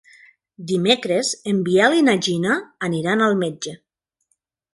Dimecres en Biel i na Gina aniran al metge.